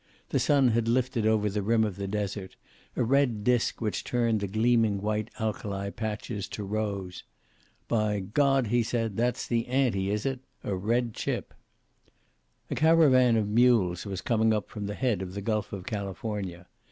The sun had lifted over the rim of the desert, a red disc which turned the gleaming white alkali patches to rose. "By God," he said, "that's the ante, is it A red chip!" A caravan of mules was coming up from the head of the Gulf of California.